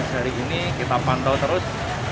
enam belas hari ini kita pantau terus